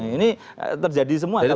ini terjadi semua jadi